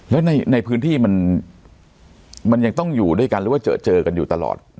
แล้วในพื้นที่มันยังต้องอยู่ด้วยกันหรือว่าเจอเจอกันอยู่ตลอด